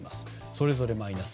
それぞれマイナス。